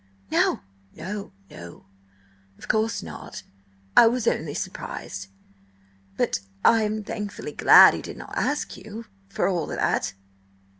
"No, no–of course not! I was only surprised. But I am thankfully glad he did not ask you, for all that!"